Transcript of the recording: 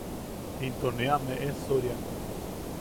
Into ne am eʼesoriam.